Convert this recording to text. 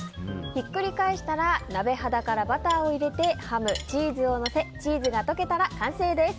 ひっくり返したら鍋肌からバターを入れてハム、チーズをのせチーズが溶けたら完成です。